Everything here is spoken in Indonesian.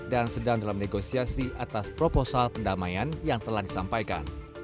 dan sedang dalam negosiasi atas proposal pendamaian yang telah disampaikan